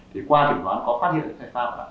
thì qua kiểm toán có phát hiện thay pháp